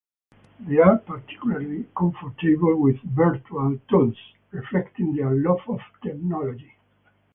They are particularly comfortable with "virtual" tools, reflecting their love of technology.